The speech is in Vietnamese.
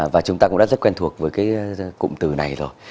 và chúng ta cũng đã rất quen thuộc với cái cụm từ này rồi